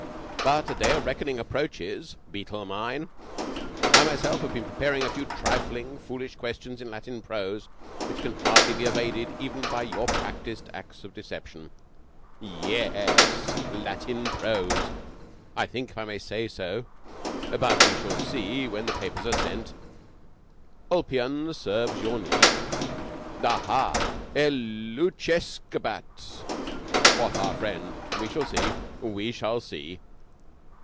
But a day of reckoning approaches, Beetle mine. I myself have prepared a few trifling foolish questions in Latin prose which can hardly be evaded even by your practised acts of deception. Ye es, Latin prose. I think, if I may say so but we shall see when the papers are set 'Ulpian serves your need.' Aha! 'Elucescebat, quoth our friend.' We shall see! We shall see!"